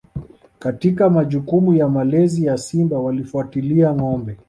Katika majukumu ya malezi ya Simba walifuatilia ngombe